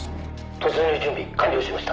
突入準備完了しました。